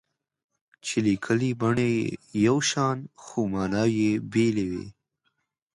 چې لیکني بڼه یې یو شان خو ماناوې یې بېلې وي.